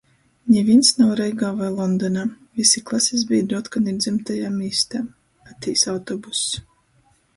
Nivīns nav Reigā voi Londonā. Vysi klasisbīdri otkon ir dzymtajā mīstā. Atīs autobuss.